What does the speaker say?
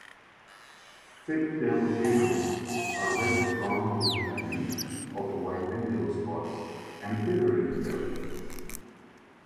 Thick-tailed geckos are reddish-brown with bands of white and yellow spots and paler underbelly.